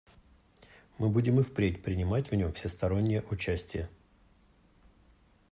Мы будем и впредь принимать в нем всестороннее участие.